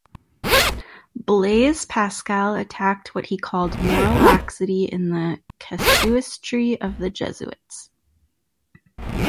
Blaise Pascal attacked what he called moral laxity in the casuistry of the Jesuits.